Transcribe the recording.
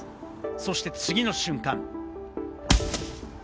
そして次の瞬間。